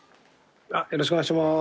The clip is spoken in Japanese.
よろしくお願いします。